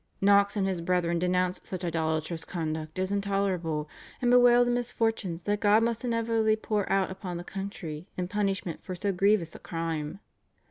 Knox and his brethren denounced such idolatrous conduct as intolerable, and bewailed the misfortunes that God must inevitably pour out upon the country in punishment for so grievous a crime.